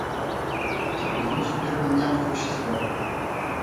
تر پنځوسو ډېر بنديان خوشي شول.